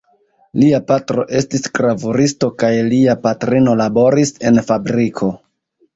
Lia patro estis gravuristo kaj lia patrino laboris en fabriko.